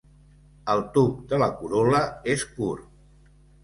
El tub de la corol·la és curt.